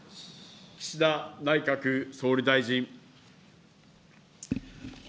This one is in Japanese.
岸田内閣総理大臣。